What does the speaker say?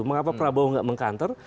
mengapa prabowo tidak mengkantar